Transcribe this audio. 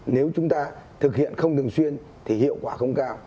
nếu chúng ta thực hiện không thường xuyên thì hiệu quả không cao